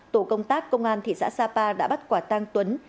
tổ công tác công an thị xã sapa đã bắt quả tăng tuấn